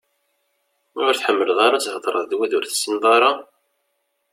Ur tḥemmleḍ ara ad theḍṛeḍ d wid ur tessineḍ ara?